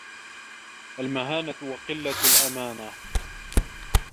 الْمَهَانَةُ وَقِلَّةُ الْأَمَانَةِ